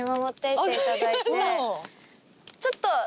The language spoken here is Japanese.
ちょっと。